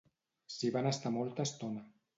S'hi van estar molta estona.